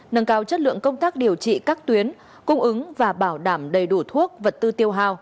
nâng cao chất lượng công tác điều trị các tuyến cung ứng và bảo đảm đầy đủ thuốc vật tư tiêu hào